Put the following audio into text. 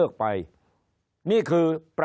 คนในวงการสื่อ๓๐องค์กร